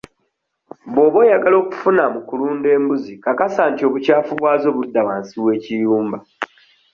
Bw'oba oyagala okufuna mu kulunda embuzi kakasa nti obukyafu bwazo budda wansi w'ekiyumba.